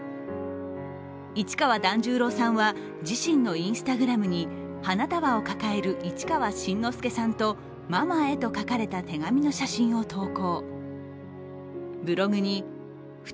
市川團十郎さんは自身のＩｎｓｔａｇｒａｍに花束を抱える市川新之助さんと「ママへ」と書かれた手紙の写真を投稿。